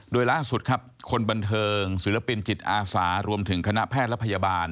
โดยล่าสุดครับคนบันเทิงศิลปินจิตอาสารวมถึงคณะแพทย์และพยาบาล